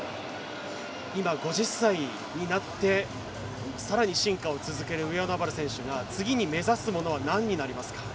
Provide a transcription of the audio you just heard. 今、５０歳になってさらに進化を続ける上与那原選手が次に目指すものは何になりますか？